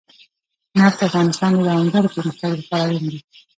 نفت د افغانستان د دوامداره پرمختګ لپاره اړین دي.